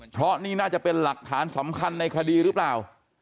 เพราะนี่น่าจะเป็นหลักฐานสำคัญในคดีหรือเปล่า